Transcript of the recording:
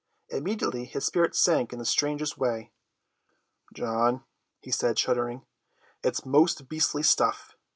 Immediately his spirits sank in the strangest way. "John," he said, shuddering, "it's most beastly stuff.